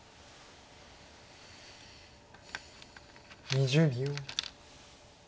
２０秒。